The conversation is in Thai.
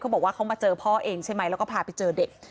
บอกว่าเขามาเจอพ่อเองใช่ไหมแล้วก็พาไปเจอเด็ก